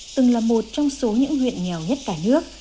từng là một trong số những huyện nghèo nhất cả nước